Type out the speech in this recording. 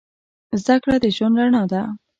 زدهکړه د ژوند رڼا ده